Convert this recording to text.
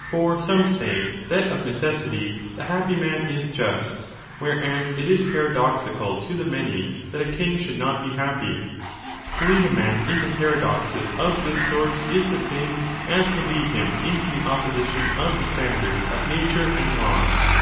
For some say that of 25 necessity the happy man is just, whereas it is paradoxical to the many that a king should not be happy. To lead a man into paradoxes of this sort is the same as to lead him into the opposition of the standards of nature and law